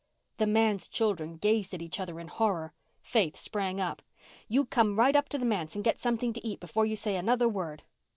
The manse children gazed at each other in horror. Faith sprang up. "You come right up to the manse and get something to eat before you say another word."